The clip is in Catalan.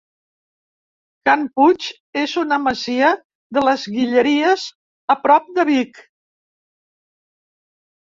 Can Puig és una masia de les Guilleries a prop de Vic.